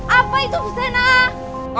apa itu fusena